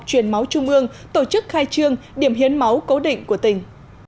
truyền máu trung ương tổ chức khai trương điểm hiến máu cố định của tỉnh